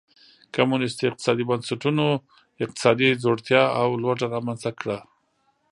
کمونېستي اقتصادي بنسټونو اقتصادي ځوړتیا او لوږه رامنځته کړه.